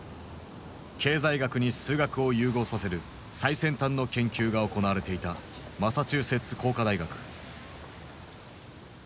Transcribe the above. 経済学に数学を融合させる最先端の研究が行われていたマサチューセッツ工科大学。